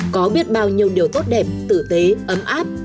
có biết bao nhiêu điều tốt đẹp tử tế ấm áp